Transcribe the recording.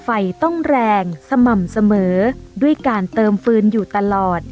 ไฟต้องแรงสม่ำเสมอด้วยการเติมฟืนอยู่ตลอด